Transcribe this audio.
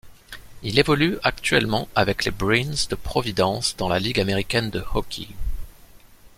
Il évolue actuellement avec les Bruins de Providence dans la Ligue américaine de hockey.